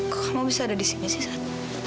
kok kamu bisa ada di sini sih sana